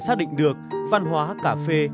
chúng ta đã định được văn hóa cà phê